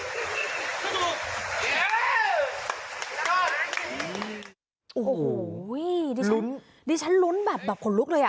อ๋อโหวิฉันนี่ฉันลุ้นแบบแบบขนลุกเลยอ่ะ